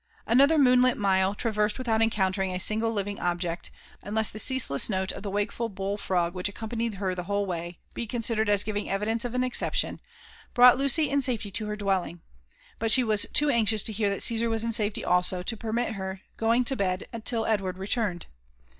Another moonlit mile, traversed without encountering a single living object, unless the ceaseless note of the wakeful bull frog which ac companied her the whole way, be considered as giving evidence of an exception, brought Lucy in safety to her dwelling ; but she was too anxious to hear that Caesar was in safety also, to permit her going to b,ed till Edward returned.